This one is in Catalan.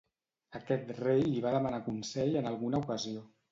Aquest rei li va demanar consell en alguna ocasió.